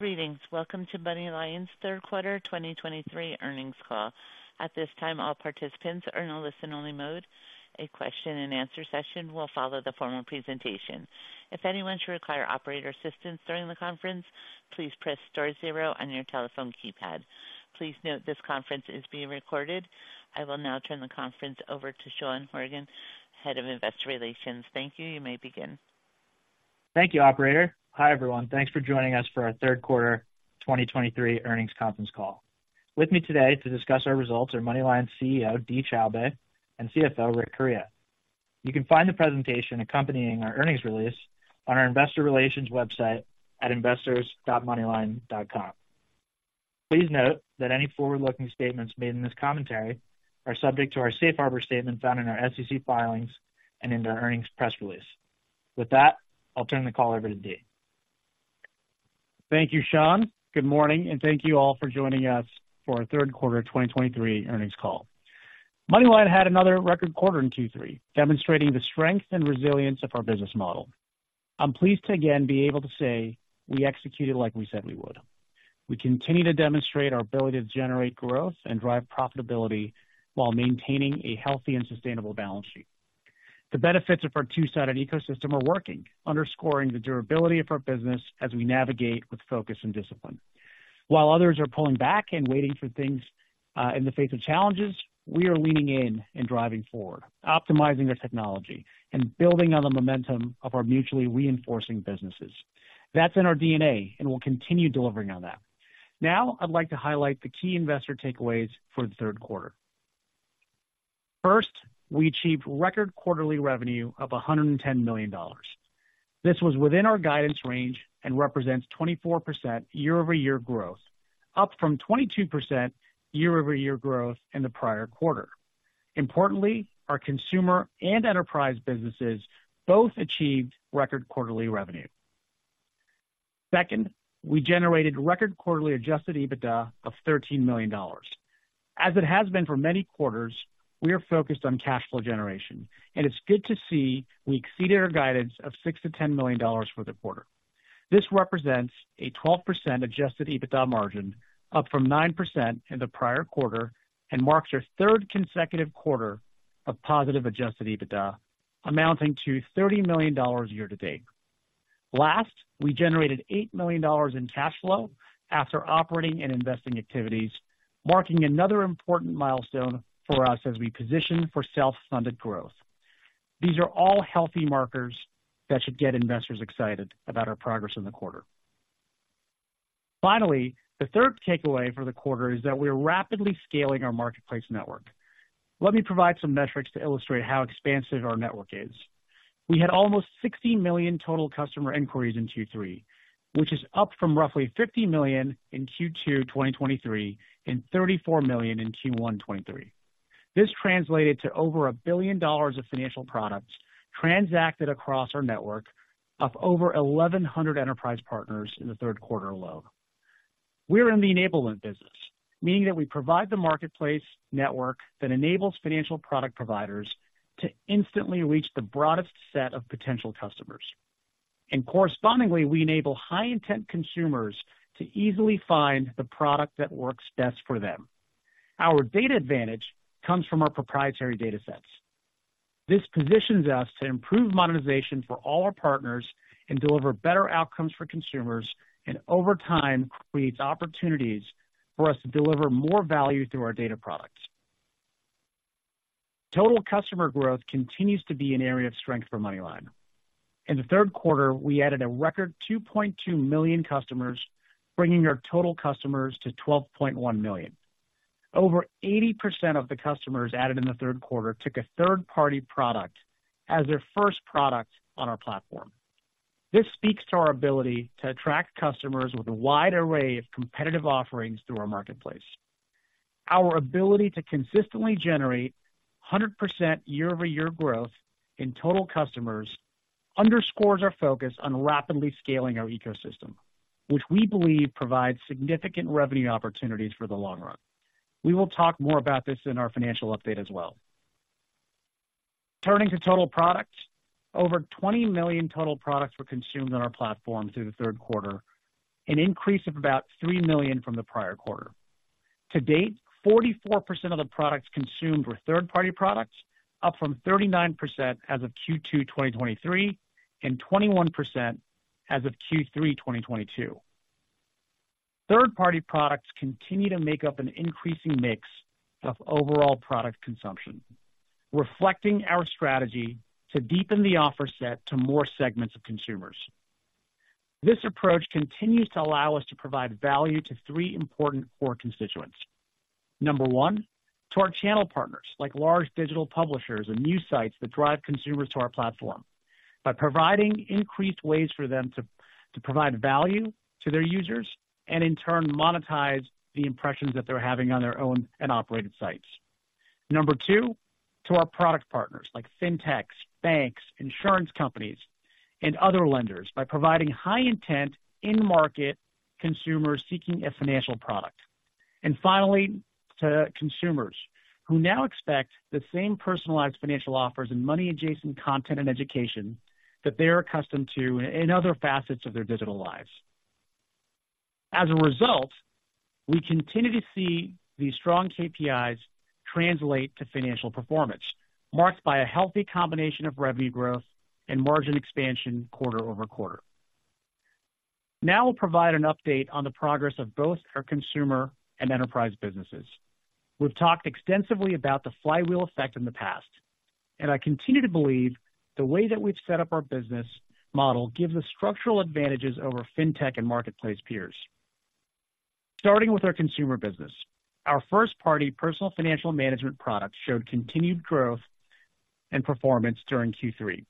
Greetings. Welcome to MoneyLion's third quarter 2023 earnings call. At this time, all participants are in a listen-only mode. A question and answer session will follow the formal presentation. If anyone should require operator assistance during the conference, please press star zero on your telephone keypad. Please note this conference is being recorded. I will now turn the conference over to Sean Horgan, Head of Investor Relations. Thank you. You may begin. Thank you, operator. Hi, everyone. Thanks for joining us for our third quarter 2023 earnings conference call. With me today to discuss our results are MoneyLion's CEO, Dee Choubey, and CFO, Rick Correia. You can find the presentation accompanying our earnings release on our investor relations website at investors.moneylion.com. Please note that any forward-looking statements made in this commentary are subject to our safe harbor statement found in our SEC filings and in their earnings press release. With that, I'll turn the call over to Dee. Thank you, Sean. Good morning, and thank you all for joining us for our third quarter 2023 earnings call. MoneyLion had another record quarter in Q3, demonstrating the strength and resilience of our business model. I'm pleased to again be able to say we executed like we said we would. We continue to demonstrate our ability to generate growth and drive profitability while maintaining a healthy and sustainable balance sheet. The benefits of our two-sided ecosystem are working, underscoring the durability of our business as we navigate with focus and discipline. While others are pulling back and waiting for things in the face of challenges, we are leaning in and driving forward, optimizing our technology and building on the momentum of our mutually reinforcing businesses. That's in our DNA, and we'll continue delivering on that. Now, I'd like to highlight the key investor takeaways for the third quarter. First, we achieved record quarterly revenue of $110 million. This was within our guidance range and represents 24% year-over-year growth, up from 22% year-over-year growth in the prior quarter. Importantly, our consumer and enterprise businesses both achieved record quarterly revenue. Second, we generated record quarterly Adjusted EBITDA of $13 million. As it has been for many quarters, we are focused on cash flow generation, and it's good to see we exceeded our guidance of $6 million-$10 million for the quarter. This represents a 12% Adjusted EBITDA margin, up from 9% in the prior quarter, and marks our third consecutive quarter of positive Adjusted EBITDA, amounting to $30 million year to date. Last, we generated $8 million in cash flow after operating and investing activities, marking another important milestone for us as we position for self-funded growth. These are all healthy markers that should get investors excited about our progress in the quarter. Finally, the third takeaway for the quarter is that we are rapidly scaling our marketplace network. Let me provide some metrics to illustrate how expansive our network is. We had almost 60 million total customer inquiries in Q3, which is up from roughly 50 million in Q2 2023 and 34 million in Q1 2023. This translated to over $1 billion of financial products transacted across our network of over 1,100 enterprise partners in the third quarter alone. We're in the enablement business, meaning that we provide the marketplace network that enables financial product providers to instantly reach the broadest set of potential customers. And correspondingly, we enable high-intent consumers to easily find the product that works best for them. Our data advantage comes from our proprietary datasets. This positions us to improve monetization for all our partners and deliver better outcomes for consumers, and over time, creates opportunities for us to deliver more value through our data products. Total customer growth continues to be an area of strength for MoneyLion. In the third quarter, we added a record 2.2 million customers, bringing our total customers to 12.1 million. Over 80% of the customers added in the third quarter took a third-party product as their first product on our platform. This speaks to our ability to attract customers with a wide array of competitive offerings through our marketplace. Our ability to consistently generate 100% year-over-year growth in total customers underscores our focus on rapidly scaling our ecosystem, which we believe provides significant revenue opportunities for the long run. We will talk more about this in our financial update as well. Turning to total products, over 20 million total products were consumed on our platform through the third quarter, an increase of about three million from the prior quarter. To date, 44% of the products consumed were third-party products, up from 39% as of Q2 2023 and 21% as of Q3 2022. Third-party products continue to make up an increasing mix of overall product consumption, reflecting our strategy to deepen the offer set to more segments of consumers. This approach continues to allow us to provide value to three important core constituents. Number one, to our channel partners, like large digital publishers and news sites that drive consumers to our platform by providing increased ways for them to provide value to their users and in turn, monetize the impressions that they're having on their own and operated sites. Number two, to our product partners, like fintechs, banks, insurance companies, and other lenders, by providing high intent in-market consumers seeking a financial product. And finally, to consumers, who now expect the same personalized financial offers and money-adjacent content and education that they're accustomed to in other facets of their digital lives. As a result, we continue to see these strong KPIs translate to financial performance, marked by a healthy combination of revenue growth and margin expansion quarter-over-quarter. Now we'll provide an update on the progress of both our consumer and enterprise businesses. We've talked extensively about the flywheel effect in the past, and I continue to believe the way that we've set up our business model gives us structural advantages over fintech and marketplace peers. Starting with our consumer business, our first-party personal financial management products showed continued growth and performance during Q3.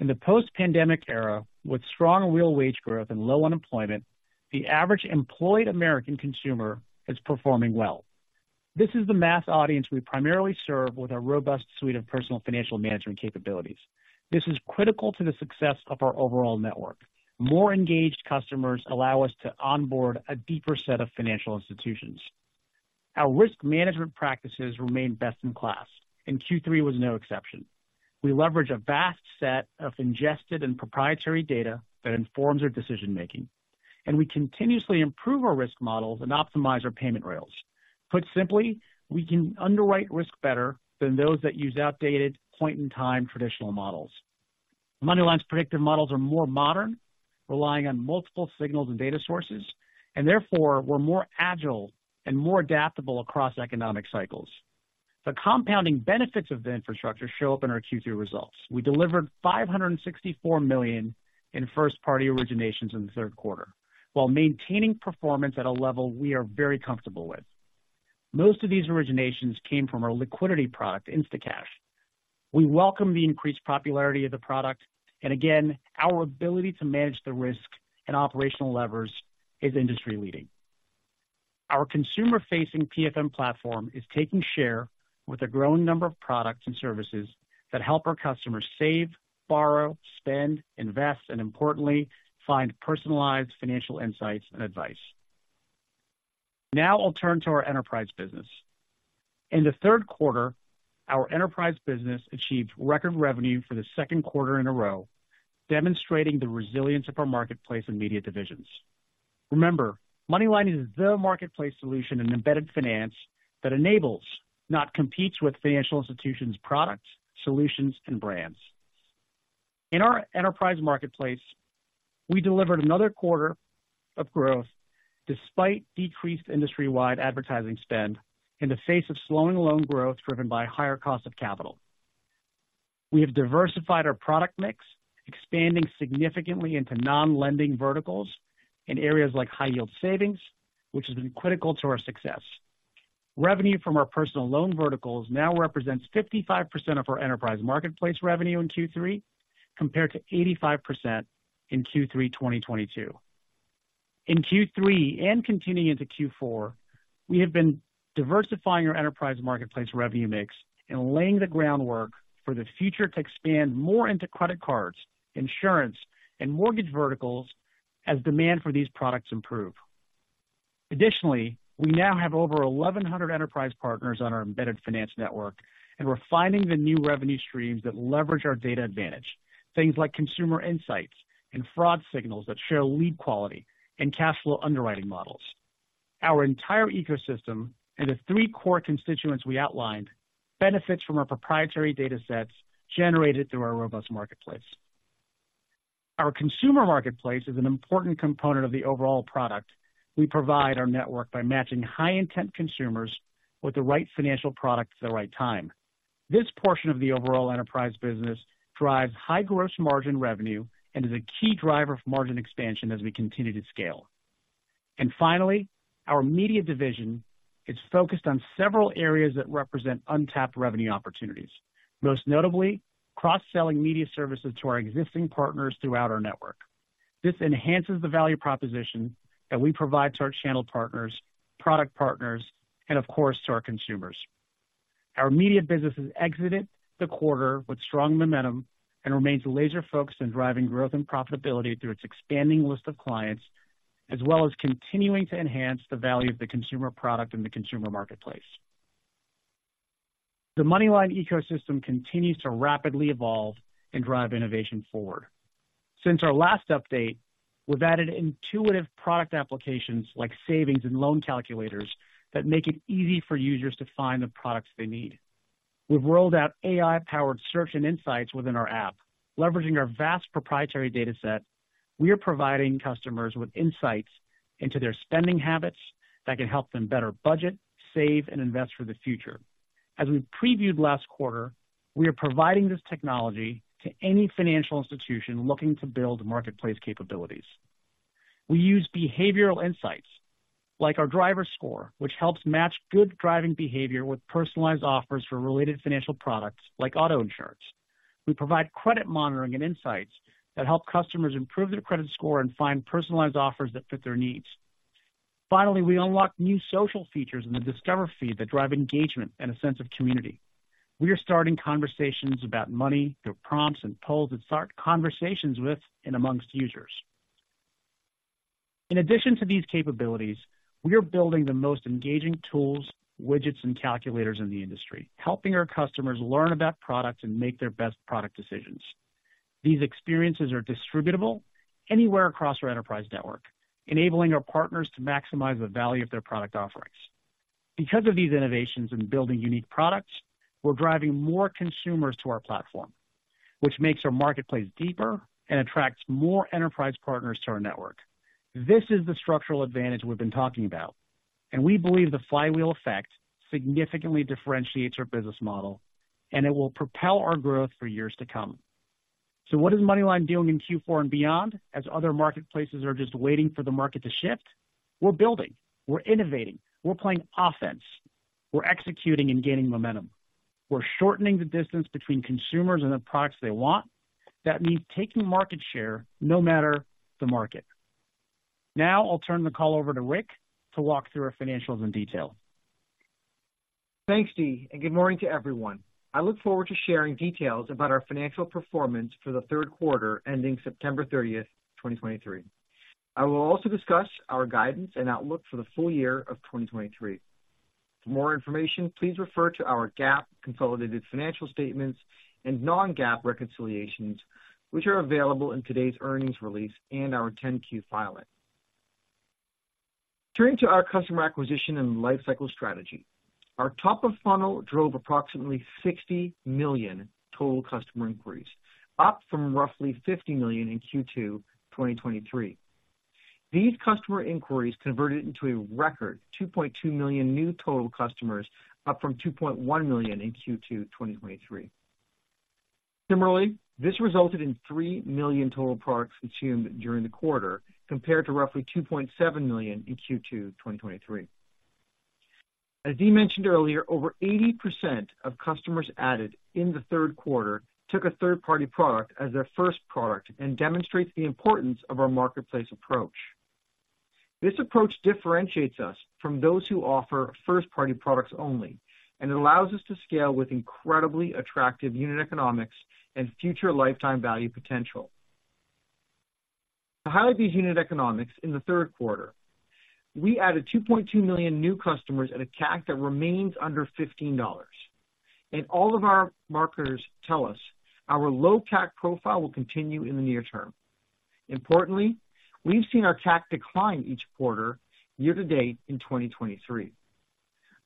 In the post-pandemic era, with strong real wage growth and low unemployment, the average employed American consumer is performing well. This is the mass audience we primarily serve with our robust suite of personal financial management capabilities. This is critical to the success of our overall network. More engaged customers allow us to onboard a deeper set of financial institutions. Our risk management practices remain best in class, and Q3 was no exception. We leverage a vast set of ingested and proprietary data that informs our decision making, and we continuously improve our risk models and optimize our payment rails. Put simply, we can underwrite risk better than those that use outdated, point-in-time traditional models. MoneyLion's predictive models are more modern, relying on multiple signals and data sources, and therefore we're more agile and more adaptable across economic cycles. The compounding benefits of the infrastructure show up in our Q3 results. We delivered $564 million in first-party originations in the third quarter, while maintaining performance at a level we are very comfortable with. Most of these originations came from our liquidity product, Instacash. We welcome the increased popularity of the product, and again, our ability to manage the risk and operational levers is industry-leading. Our consumer-facing PFM platform is taking share with a growing number of products and services that help our customers save, borrow, spend, invest, and importantly, find personalized financial insights and advice. Now I'll turn to our enterprise business. In the third quarter, our enterprise business achieved record revenue for the second quarter in a row, demonstrating the resilience of our marketplace and media divisions. Remember, MoneyLion is the marketplace solution in embedded finance that enables, not competes with, financial institutions, products, solutions, and brands. In our enterprise marketplace, we delivered another quarter of growth despite decreased industry-wide advertising spend in the face of slowing loan growth, driven by higher costs of capital. We have diversified our product mix, expanding significantly into non-lending verticals in areas like high yield savings, which has been critical to our success. Revenue from our Personal Loans verticals now represents 55% of our enterprise marketplace revenue in Q3, compared to 85% in Q3 2022. In Q3 and continuing into Q4, we have been diversifying our enterprise marketplace revenue mix and laying the groundwork for the future to expand more into credit cards, insurance, and mortgage verticals as demand for these products improve. Additionally, we now have over 1,100 enterprise partners on our embedded finance network, and we're finding the new revenue streams that leverage our data advantage. Things like consumer insights and fraud signals that share lead quality and cash flow underwriting models. Our entire ecosystem, and the three core constituents we outlined, benefits from our proprietary datasets generated through our robust marketplace. Our consumer marketplace is an important component of the overall product. We provide our network by matching high-intent consumers with the right financial product at the right time. This portion of the overall enterprise business drives high gross margin revenue and is a key driver of margin expansion as we continue to scale. Finally, our media division is focused on several areas that represent untapped revenue opportunities, most notably, cross-selling media services to our existing partners throughout our network. This enhances the value proposition that we provide to our channel partners, product partners, and of course, to our consumers. Our media business has exited the quarter with strong momentum and remains laser focused on driving growth and profitability through its expanding list of clients, as well as continuing to enhance the value of the consumer product in the consumer marketplace. The MoneyLion ecosystem continues to rapidly evolve and drive innovation forward. Since our last update, we've added intuitive product applications like savings and loan calculators that make it easy for users to find the products they need. We've rolled out AI-powered search and insights within our app. Leveraging our vast proprietary dataset, we are providing customers with insights into their spending habits that can help them better budget, save, and invest for the future. As we previewed last quarter, we are providing this technology to any financial institution looking to build marketplace capabilities. We use behavioral insights like our driver score, which helps match good driving behavior with personalized offers for related financial products like auto insurance. We provide credit monitoring and insights that help customers improve their credit score and find personalized offers that fit their needs. Finally, we unlock new social features in the Discover feed that drive engagement and a sense of community.... We are starting conversations about money through prompts and polls that start conversations with and amongst users. In addition to these capabilities, we are building the most engaging tools, widgets, and calculators in the industry, helping our customers learn about products and make their best product decisions. These experiences are distributable anywhere across our enterprise network, enabling our partners to maximize the value of their product offerings. Because of these innovations in building unique products, we're driving more consumers to our platform, which makes our marketplace deeper and attracts more enterprise partners to our network. This is the structural advantage we've been talking about, and we believe the flywheel effect significantly differentiates our business model, and it will propel our growth for years to come. So what is MoneyLion doing in Q4 and beyond, as other marketplaces are just waiting for the market to shift? We're building, we're innovating, we're playing offense, we're executing and gaining momentum. We're shortening the distance between consumers and the products they want. That means taking market share no matter the market. Now I'll turn the call over to Rick to walk through our financials in detail. Thanks, Dee, and good morning to everyone. I look forward to sharing details about our financial performance for the third quarter, ending September 30, 2023. I will also discuss our guidance and outlook for the full year of 2023. For more information, please refer to our GAAP consolidated financial statements and non-GAAP reconciliations, which are available in today's earnings release and our 10-Q filing. Turning to our customer acquisition and lifecycle strategy. Our top of funnel drove approximately 60 million total customer inquiries, up from roughly 50 million in Q2 2023. These customer inquiries converted into a record 2.2 million new total customers, up from 2.1 million in Q2 2023. Similarly, this resulted in three million total products consumed during the quarter, compared to roughly 2.7 million in Q2 2023. As Dee mentioned earlier, over 80% of customers added in the third quarter took a third-party product as their first product and demonstrates the importance of our marketplace approach. This approach differentiates us from those who offer first-party products only, and it allows us to scale with incredibly attractive unit economics and future lifetime value potential. To highlight these unit economics, in the third quarter, we added 2.2 million new customers at a CAC that remains under $15. All of our marketers tell us our low CAC profile will continue in the near term. Importantly, we've seen our CAC decline each quarter year to date in 2023.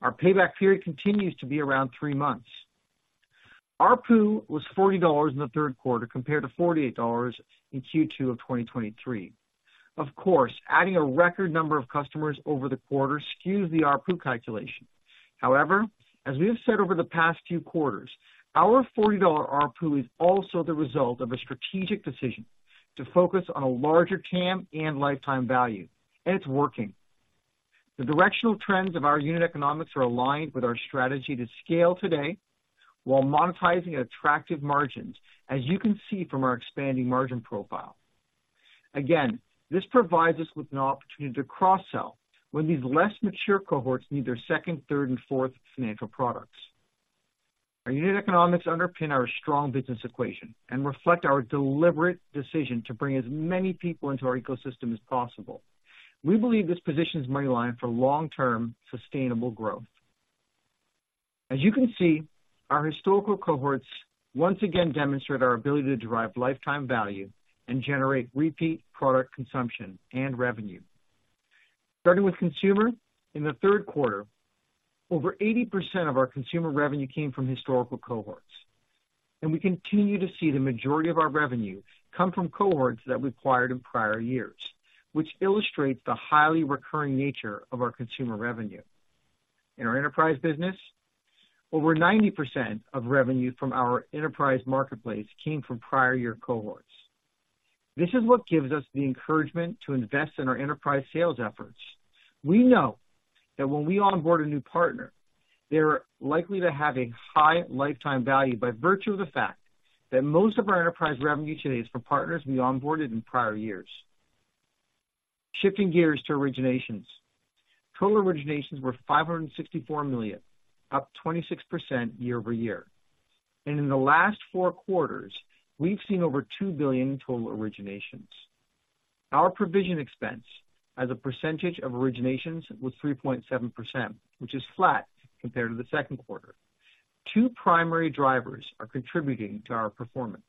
Our payback period continues to be around three months. ARPU was $40 in the third quarter, compared to $48 in Q2 of 2023. Of course, adding a record number of customers over the quarter skews the ARPU calculation. However, as we have said over the past few quarters, our $40 ARPU is also the result of a strategic decision to focus on a larger TAM and lifetime value, and it's working. The directional trends of our unit economics are aligned with our strategy to scale today while monetizing attractive margins, as you can see from our expanding margin profile. Again, this provides us with an opportunity to cross-sell when these less mature cohorts need their second, third, and fourth financial products. Our unit economics underpin our strong business equation and reflect our deliberate decision to bring as many people into our ecosystem as possible. We believe this positions MoneyLion for long-term sustainable growth. As you can see, our historical cohorts once again demonstrate our ability to derive lifetime value and generate repeat product consumption and revenue. Starting with consumer, in the third quarter, over 80% of our consumer revenue came from historical cohorts, and we continue to see the majority of our revenue come from cohorts that we acquired in prior years, which illustrates the highly recurring nature of our consumer revenue. In our enterprise business, over 90% of revenue from our enterprise marketplace came from prior year cohorts. This is what gives us the encouragement to invest in our enterprise sales efforts. We know that when we onboard a new partner, they're likely to have a high lifetime value by virtue of the fact that most of our enterprise revenue today is from partners we onboarded in prior years. Shifting gears to originations. Total originations were $564 million, up 26% year-over-year, and in the last four quarters, we've seen over $2 billion in total originations. Our provision expense as a percentage of originations was 3.7%, which is flat compared to the second quarter. Two primary drivers are contributing to our performance.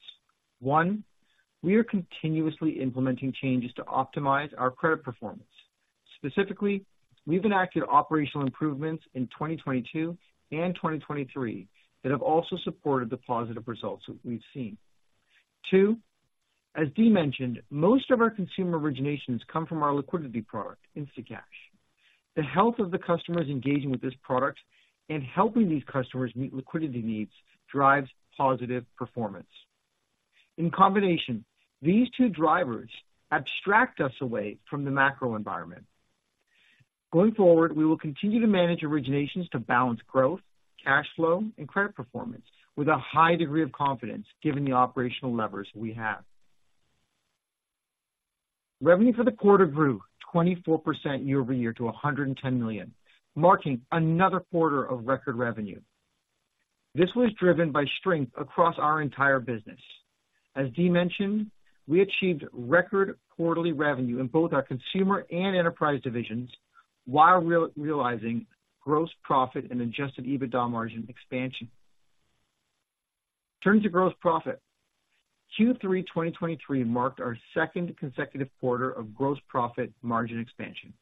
One, we are continuously implementing changes to optimize our credit performance. Specifically, we've enacted operational improvements in 2022 and 2023 that have also supported the positive results that we've seen. Two, as Dee mentioned, most of our consumer originations come from our liquidity product, Instacash. The health of the customers engaging with this product and helping these customers meet liquidity needs drives positive performance. In combination, these two drivers abstract us away from the macro environment. Going forward, we will continue to manage originations to balance growth, cash flow, and credit performance with a high degree of confidence, given the operational levers we have. Revenue for the quarter grew 24% year-over-year to $110 million, marking another quarter of record revenue. This was driven by strength across our entire business. As Dee mentioned, we achieved record quarterly revenue in both our consumer and enterprise divisions, while realizing gross profit and Adjusted EBITDA margin expansion. Turning to gross profit. Q3 2023 marked our second consecutive quarter of gross profit margin expansion.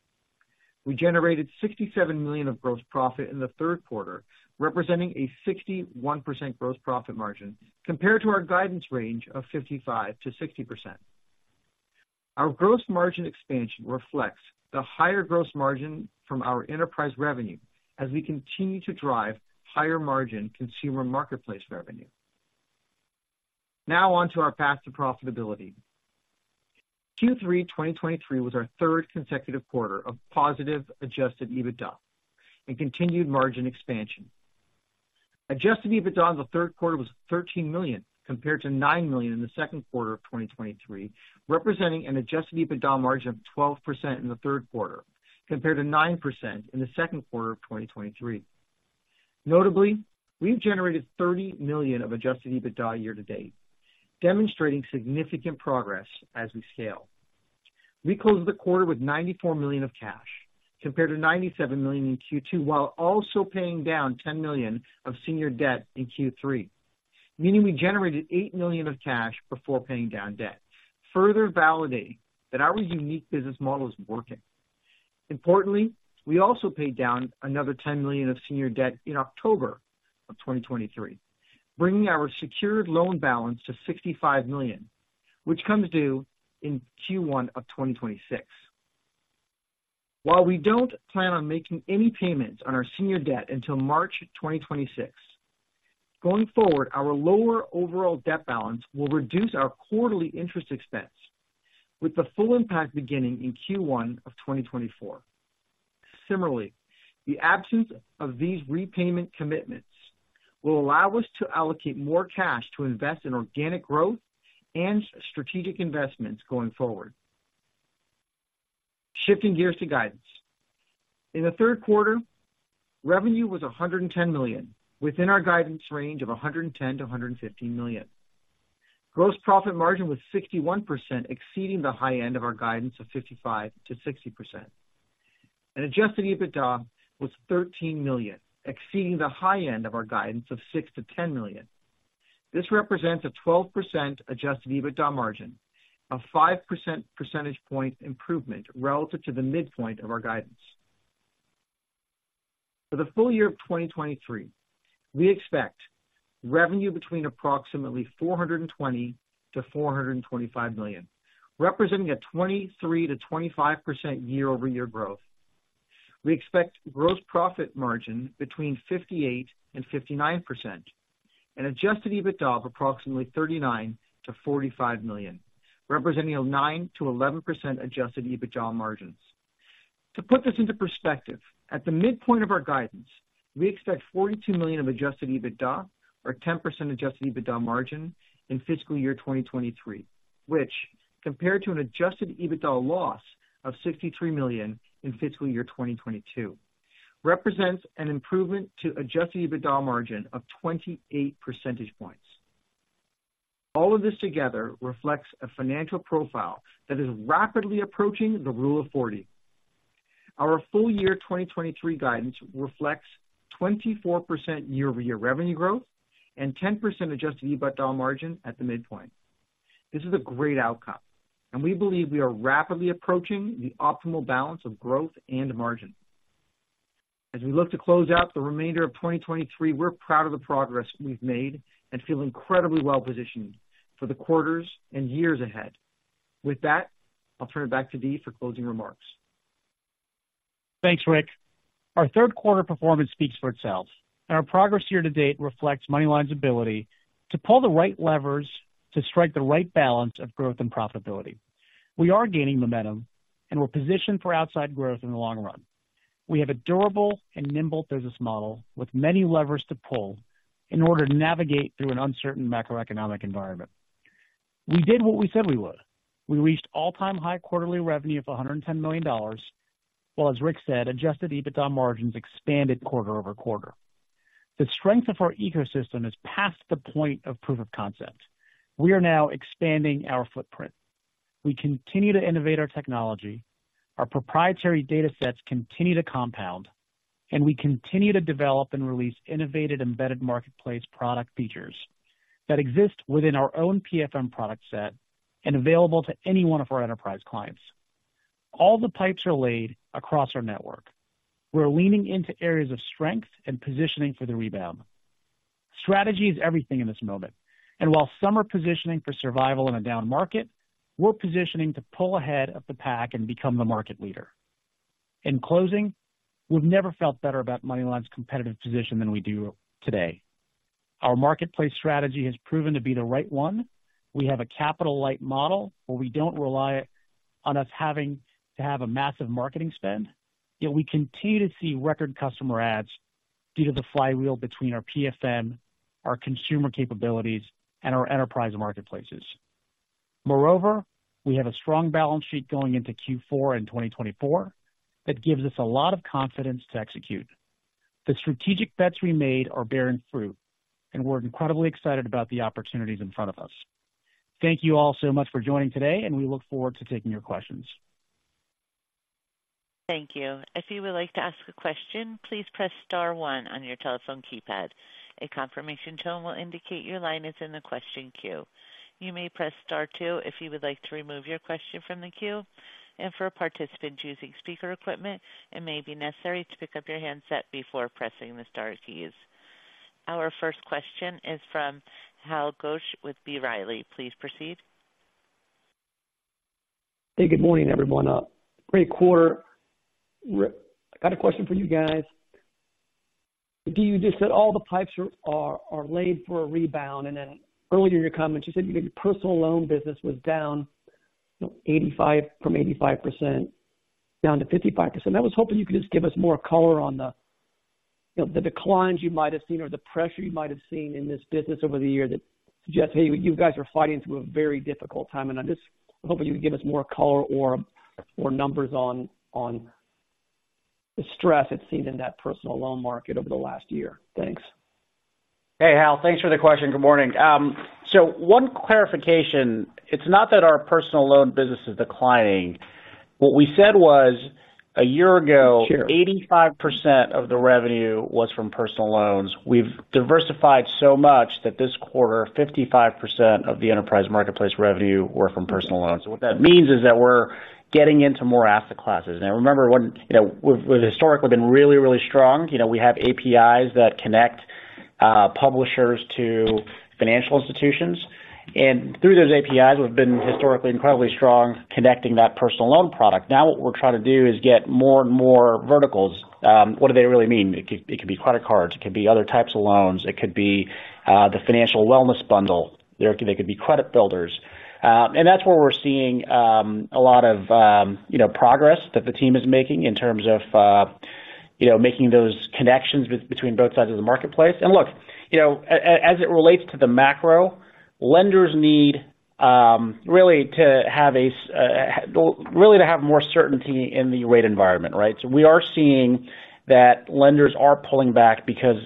We generated $67 million of gross profit in the third quarter, representing a 61% gross profit margin, compared to our guidance range of 55%-60%. Our gross margin expansion reflects the higher gross margin from our enterprise revenue as we continue to drive higher margin consumer marketplace revenue. Now on to our path to profitability. Q3 2023 was our third consecutive quarter of positive Adjusted EBITDA and continued margin expansion. Adjusted EBITDA in the third quarter was $13 million, compared to $9 million in the second quarter of 2023, representing an Adjusted EBITDA margin of 12% in the third quarter, compared to 9% in the second quarter of 2023. Notably, we've generated $30 million of Adjusted EBITDA year to date, demonstrating significant progress as we scale. We closed the quarter with $94 million of cash, compared to $97 million in Q2, while also paying down $10 million of senior debt in Q3, meaning we generated $8 million of cash before paying down debt, further validating that our unique business model is working. Importantly, we also paid down another $10 million of senior debt in October of 2023, bringing our secured loan balance to $65 million, which comes due in Q1 of 2026. While we don't plan on making any payments on our senior debt until March 2026, going forward, our lower overall debt balance will reduce our quarterly interest expense with the full impact beginning in Q1 of 2024. Similarly, the absence of these repayment commitments will allow us to allocate more cash to invest in organic growth and strategic investments going forward. Shifting gears to guidance. In the third quarter, revenue was $110 million, within our guidance range of $110-$115 million. Gross profit margin was 61%, exceeding the high end of our guidance of 55%-60%. Adjusted EBITDA was $13 million, exceeding the high end of our guidance of $6-$10 million. This represents a 12% adjusted EBITDA margin, a five percentage point improvement relative to the midpoint of our guidance. For the full year of 2023, we expect revenue between approximately $420-$425 million, representing a 23%-25% year-over-year growth. We expect gross profit margin between 58%-59% and adjusted EBITDA of approximately $39-$45 million, representing a 9%-11% adjusted EBITDA margins. To put this into perspective, at the midpoint of our guidance, we expect $42 million of Adjusted EBITDA or 10% Adjusted EBITDA margin in fiscal year 2023, which, compared to an Adjusted EBITDA loss of $63 million in fiscal year 2022, represents an improvement to Adjusted EBITDA margin of 28 percentage points. All of this together reflects a financial profile that is rapidly approaching the Rule of 40. Our full year 2023 guidance reflects 24% year-over-year revenue growth and 10% Adjusted EBITDA margin at the midpoint. This is a great outcome, and we believe we are rapidly approaching the optimal balance of growth and margin. As we look to close out the remainder of 2023, we're proud of the progress we've made and feel incredibly well-positioned for the quarters and years ahead. With that, I'll turn it back to Dee for closing remarks. Thanks, Rick. Our third quarter performance speaks for itself, and our progress year to date reflects MoneyLion's ability to pull the right levers to strike the right balance of growth and profitability. We are gaining momentum, and we're positioned for outsized growth in the long run. We have a durable and nimble business model with many levers to pull in order to navigate through an uncertain macroeconomic environment. We did what we said we would. We reached all-time high quarterly revenue of $110 million, while, as Rick said, Adjusted EBITDA margins expanded quarter-over-quarter. The strength of our ecosystem is past the point of proof of concept. We are now expanding our footprint. We continue to innovate our technology, our proprietary datasets continue to compound, and we continue to develop and release innovative embedded marketplace product features that exist within our own PFM product set and available to any one of our enterprise clients. All the pipes are laid across our network. We're leaning into areas of strength and positioning for the rebound. Strategy is everything in this moment, and while some are positioning for survival in a down market, we're positioning to pull ahead of the pack and become the market leader. In closing, we've never felt better about MoneyLion's competitive position than we do today. Our marketplace strategy has proven to be the right one. We have a capital-light model, where we don't rely on us having to have a massive marketing spend, yet we continue to see record customer adds-... Due to the flywheel between our PFM, our consumer capabilities, and our enterprise marketplaces. Moreover, we have a strong balance sheet going into Q4 in 2024 that gives us a lot of confidence to execute. The strategic bets we made are bearing fruit, and we're incredibly excited about the opportunities in front of us. Thank you all so much for joining today, and we look forward to taking your questions. Thank you. If you would like to ask a question, please press star one on your telephone keypad. A confirmation tone will indicate your line is in the question queue. You may press star two if you would like to remove your question from the queue. For a participant using speaker equipment, it may be necessary to pick up your handset before pressing the star keys. Our first question is from Hal Goetsch with B. Riley. Please proceed. Hey, good morning, everyone. Great quarter. I got a question for you guys. Do you just said all the pipes are laid for a rebound, and then earlier in your comments, you said your personal loan business was down 85%, from 85% down to 55%. I was hoping you could just give us more color on the, you know, the declines you might have seen or the pressure you might have seen in this business over the year that suggests, hey, you guys are fighting through a very difficult time. And I'm just hoping you would give us more color or numbers on the stress it's seen in that personal loan market over the last year. Thanks. Hey, Hal. Thanks for the question. Good morning. So one clarification, it's not that our personal loan business is declining. What we said was, a year ago- Sure. 85% of the revenue was from personal loans. We've diversified so much that this quarter, 55% of the enterprise marketplace revenue were from personal loans. So what that means is that we're getting into more asset classes. Now, remember when, you know, we've historically been really, really strong. You know, we have APIs that connect publishers to financial institutions, and through those APIs, we've been historically incredibly strong connecting that personal loan product. Now, what we're trying to do is get more and more verticals. What do they really mean? It could, it could be credit cards, it could be other types of loans, it could be the financial wellness bundle. They could be credit builders. And that's where we're seeing a lot of, you know, progress that the team is making in terms of, you know, making those connections between both sides of the marketplace. And look, you know, as it relates to the macro, lenders need really to have more certainty in the rate environment, right? So we are seeing that lenders are pulling back because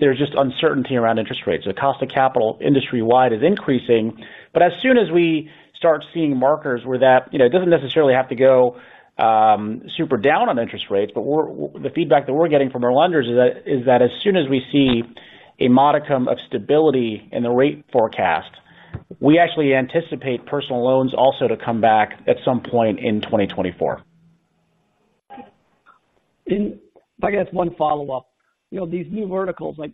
there's just uncertainty around interest rates. The cost of capital industry-wide is increasing, but as soon as we start seeing markers where that, you know, it doesn't necessarily have to go super down on interest rates, but the feedback that we're getting from our lenders is that, is that as soon as we see a modicum of stability in the rate forecast, we actually anticipate Personal Loans also to come back at some point in 2024. I guess one follow-up. You know, these new verticals, like,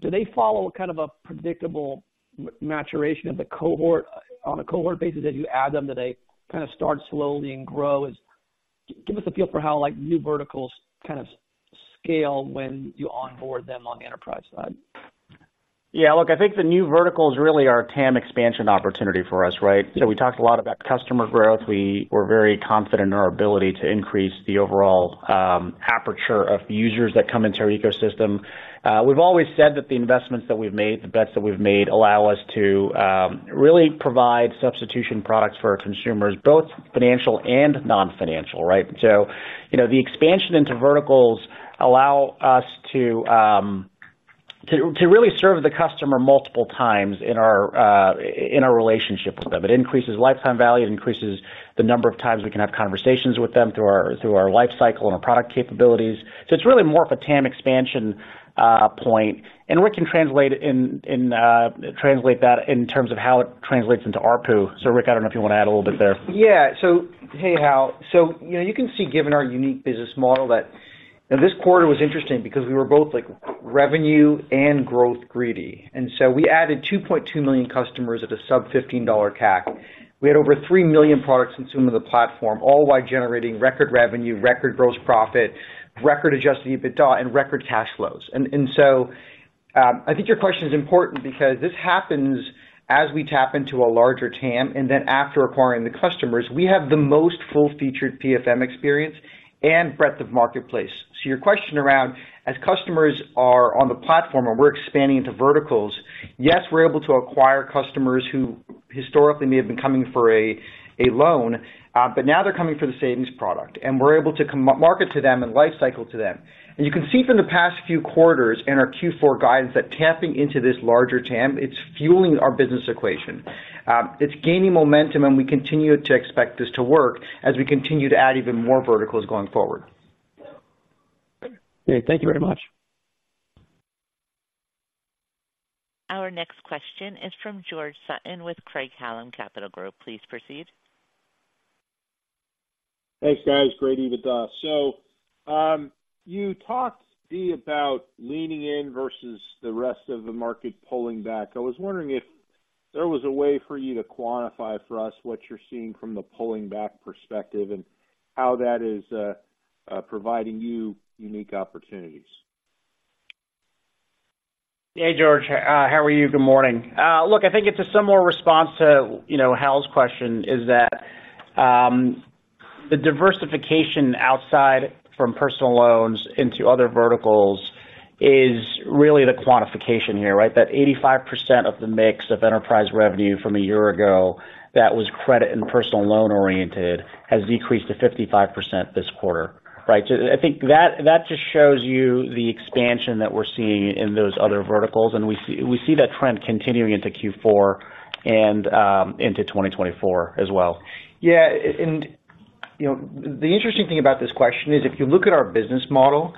do they follow kind of a predictable maturation of the cohort, on a cohort basis as you add them? Do they kind of start slowly and grow? Give us a feel for how like new verticals kind of scale when you onboard them on the enterprise side. Yeah, look, I think the new verticals really are a TAM expansion opportunity for us, right? So we talked a lot about customer growth. We're very confident in our ability to increase the overall aperture of the users that come into our ecosystem. We've always said that the investments that we've made, the bets that we've made, allow us to really provide substitution products for our consumers, both financial and non-financial, right? So, you know, the expansion into verticals allow us to to really serve the customer multiple times in our in our relationship with them. It increases lifetime value, it increases the number of times we can have conversations with them through our through our life cycle and our product capabilities. So it's really more of a TAM expansion, point, and Rick can translate that in terms of how it translates into ARPU. So, Rick, I don't know if you want to add a little bit there. Yeah. So, hey, Hal. So you know, you can see, given our unique business model, that... And this quarter was interesting because we were both, like, revenue and growth greedy. And so we added 2.2 million customers at a sub $15 CAC. We had over three million products consumed on the platform, all while generating record revenue, record gross profit, record adjusted EBITDA, and record cash flows. And so, I think your question is important because this happens as we tap into a larger TAM, and then after acquiring the customers, we have the most full-featured PFM experience and breadth of marketplace. So your question around, as customers are on the platform and we're expanding into verticals, yes, we're able to acquire customers who historically may have been coming for a loan, but now they're coming for the savings product, and we're able to cross-market to them and life cycle to them. And you can see from the past few quarters and our Q4 guidance, that tapping into this larger TAM, it's fueling our business equation. It's gaining momentum, and we continue to expect this to work as we continue to add even more verticals going forward. Okay. Thank you very much. Our next question is from George Sutton with Craig-Hallum Capital Group. Please proceed. Thanks, guys. Great EBITDA. So, you talked, Dee, about leaning in versus the rest of the market pulling back. I was wondering if there was a way for you to quantify for us what you're seeing from the pulling back perspective and how that is providing you unique opportunities?... Hey, George, how are you? Good morning. Look, I think it's a similar response to, you know, Hal's question, is that the diversification outside from personal loans into other verticals is really the quantification here, right? That 85% of the mix of enterprise revenue from a year ago, that was credit and personal loan-oriented, has decreased to 55% this quarter, right? So I think that, that just shows you the expansion that we're seeing in those other verticals, and we see, we see that trend continuing into Q4 and into 2024 as well. Yeah, and, you know, the interesting thing about this question is, if you look at our business model,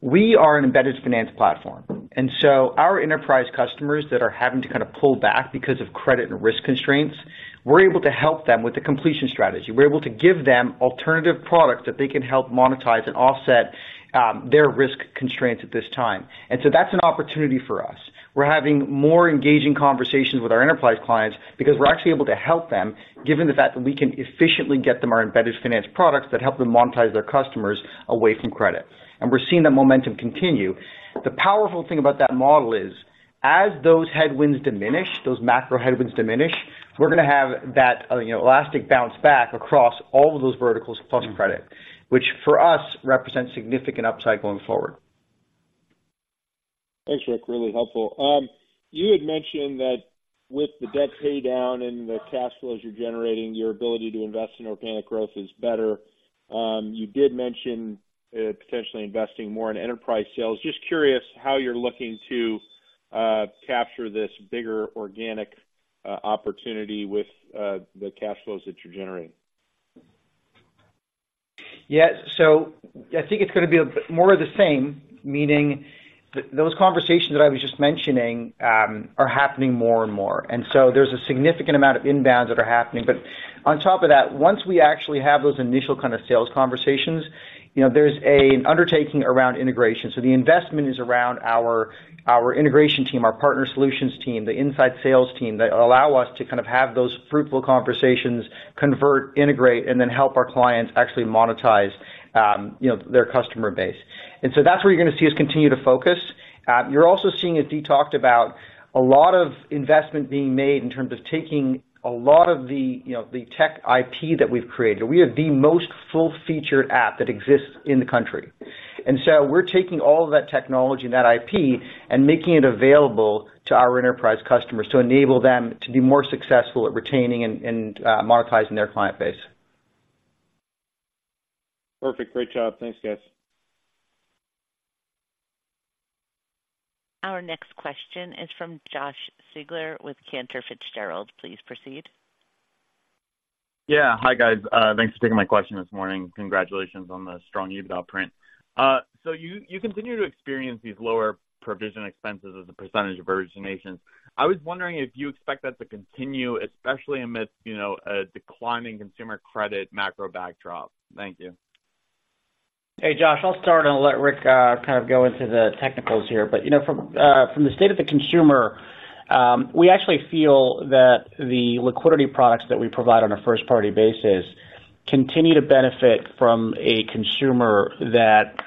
we are an embedded finance platform, and so our enterprise customers that are having to kind of pull back because of credit and risk constraints, we're able to help them with the completion strategy. We're able to give them alternative products that they can help monetize and offset their risk constraints at this time. And so that's an opportunity for us. We're having more engaging conversations with our enterprise clients because we're actually able to help them, given the fact that we can efficiently get them our embedded finance products that help them monetize their customers away from credit. And we're seeing that momentum continue. The powerful thing about that model is, as those headwinds diminish, those macro headwinds diminish, we're gonna have that, you know, elastic bounce back across all of those verticals, plus credit, which for us, represents significant upside going forward. Thanks, Rick. Really helpful. You had mentioned that with the debt pay down and the cash flows you're generating, your ability to invest in organic growth is better. You did mention potentially investing more in enterprise sales. Just curious how you're looking to capture this bigger organic opportunity with the cash flows that you're generating. Yeah. So I think it's gonna be more of the same, meaning those conversations that I was just mentioning are happening more and more, and so there's a significant amount of inbounds that are happening. But on top of that, once we actually have those initial kind of sales conversations, you know, there's a undertaking around integration. So the investment is around our, our integration team, our partner solutions team, the inside sales team, that allow us to kind of have those fruitful conversations, convert, integrate, and then help our clients actually monetize, you know, their customer base. And so that's where you're gonna see us continue to focus. You're also seeing, as he talked about, a lot of investment being made in terms of taking a lot of the, you know, the tech IP that we've created. We have the most full-featured app that exists in the country. So we're taking all of that technology and that IP and making it available to our enterprise customers to enable them to be more successful at retaining and monetizing their client base. Perfect. Great job. Thanks, guys. Our next question is from Josh Siegler with Cantor Fitzgerald. Please proceed. Yeah. Hi, guys. Thanks for taking my question this morning. Congratulations on the strong EBITDA print. So you continue to experience these lower provision expenses as a percentage of originations. I was wondering if you expect that to continue, especially amidst, you know, a declining consumer credit macro backdrop. Thank you. Hey, Josh, I'll start and let Rick kind of go into the technicals here. But, you know, from the state of the consumer, we actually feel that the liquidity products that we provide on a first-party basis continue to benefit from a consumer that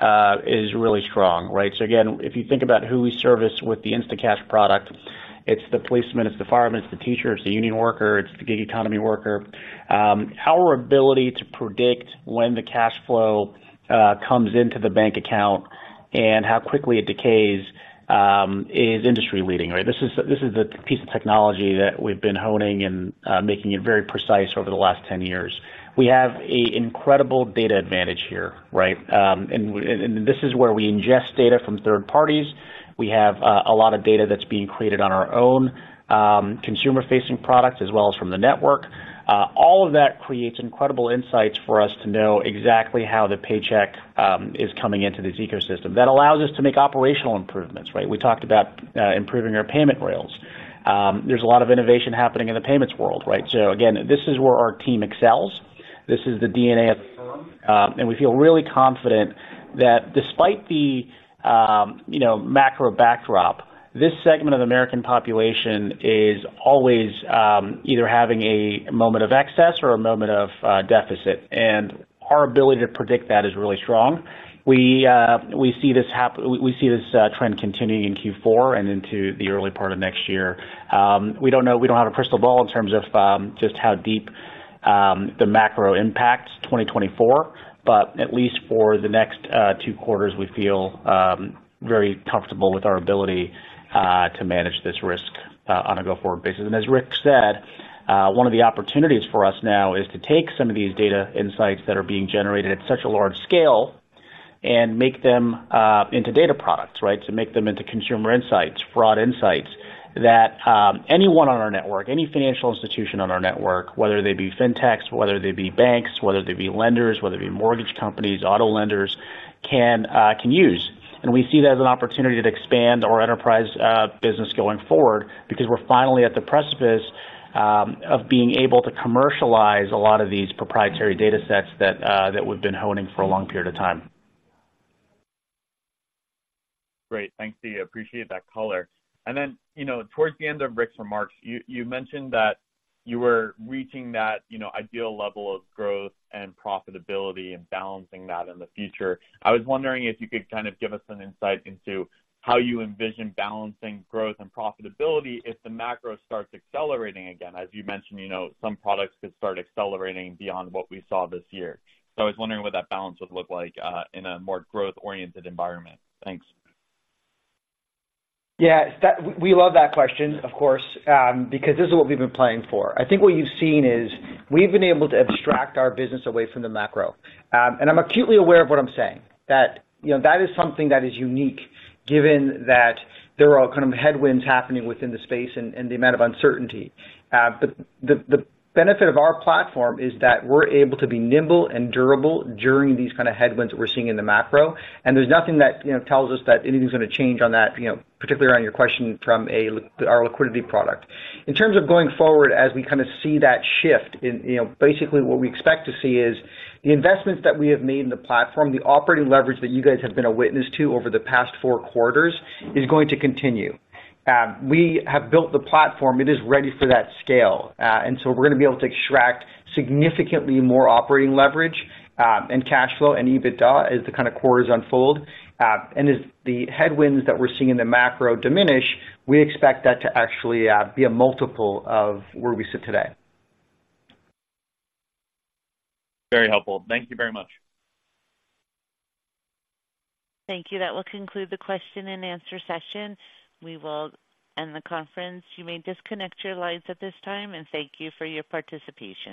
is really strong, right? So again, if you think about who we service with the Instacash product, it's the policemen, it's the firemen, it's the teachers, the union worker, it's the gig economy worker. Our ability to predict when the cashflow comes into the bank account and how quickly it decays is industry-leading, right? This is the piece of technology that we've been honing and making it very precise over the last 10 years. We have an incredible data advantage here, right? And this is where we ingest data from third parties. We have a lot of data that's being created on our own consumer-facing products as well as from the network. All of that creates incredible insights for us to know exactly how the paycheck is coming into this ecosystem. That allows us to make operational improvements, right? We talked about improving our payment rails. There's a lot of innovation happening in the payments world, right? So again, this is where our team excels. This is the DNA of the firm, and we feel really confident that despite the, you know, macro backdrop, this segment of the American population is always either having a moment of excess or a moment of deficit, and our ability to predict that is really strong. We see this trend continuing in Q4 and into the early part of next year. We don't have a crystal ball in terms of just how deep the macro impacts 2024, but at least for the next two quarters, we feel very comfortable with our ability to manage this risk on a go-forward basis. And as Rick said, one of the opportunities for us now is to take some of these data insights that are being generated at such a large scale and make them into data products, right? To make them into consumer insights, fraud insights, that anyone on our network, any financial institution on our network, whether they be fintechs, whether they be banks, whether they be lenders, whether they be mortgage companies, auto lenders, can use. And we see that as an opportunity to expand our enterprise business going forward, because we're finally at the precipice of being able to commercialize a lot of these proprietary data sets that we've been honing for a long period of time. Great. Thanks, D. Appreciate that color. And then, you know, towards the end of Rick's remarks, you mentioned that you were reaching that, you know, ideal level of growth and profitability and balancing that in the future. I was wondering if you could kind of give us some insight into how you envision balancing growth and profitability if the macro starts accelerating again. As you mentioned, you know, some products could start accelerating beyond what we saw this year. So I was wondering what that balance would look like in a more growth-oriented environment. Thanks. Yeah, we love that question, of course, because this is what we've been playing for. I think what you've seen is we've been able to abstract our business away from the macro. And I'm acutely aware of what I'm saying, that, you know, that is something that is unique, given that there are kind of headwinds happening within the space and the amount of uncertainty. But the benefit of our platform is that we're able to be nimble and durable during these kind of headwinds that we're seeing in the macro. And there's nothing that, you know, tells us that anything's gonna change on that, you know, particularly on your question from our liquidity product. In terms of going forward, as we kind of see that shift in... You know, basically, what we expect to see is the investments that we have made in the platform, the operating leverage that you guys have been a witness to over the past four quarters, is going to continue. We have built the platform. It is ready for that scale. And so we're going to be able to extract significantly more operating leverage, and cash flow and EBITDA as the kind of quarters unfold. And as the headwinds that we're seeing in the macro diminish, we expect that to actually be a multiple of where we sit today. Very helpful. Thank you very much. Thank you. That will conclude the question and answer session. We will end the conference. You may disconnect your lines at this time, and thank you for your participation.